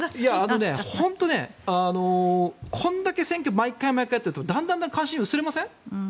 これだけ選挙を毎回やってるとだんだん関心薄れません？